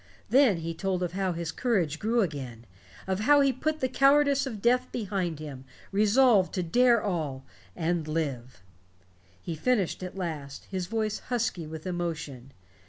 Then he told of how his courage grew again, of how he put the cowardice of death behind him, resolved to dare all and live. He finished at last, his voice husky with emotion.